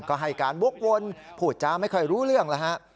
ก็ให้การวกวนพูดจากไม่เคยรู้เรื่องหรือฮะ